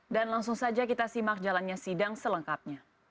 dan langsung saja kita simak jalannya sidang selengkapnya